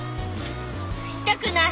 痛くない。